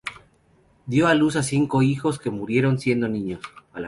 Dio a luz cinco hijos que murieron siendo niños.